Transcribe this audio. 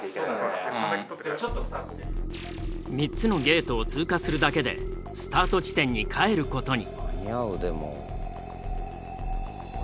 ３つのゲートを通過するだけでスタート地点に帰ることに。